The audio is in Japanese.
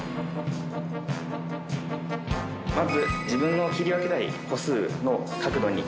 まず自分の切り分けたい個数の角度に。